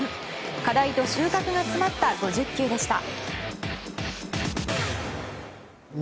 課題と収穫が詰まった５０球でした。